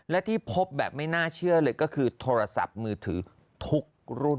และที่พบแบบไม่น่าเชื่อเลยก็คือโทรศัพท์มือถือทุกรุ่น